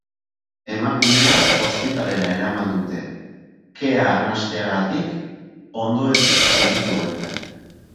Emakumea ospitalera eraman dute, kea arnasteagatik ondoezik sentitu baita.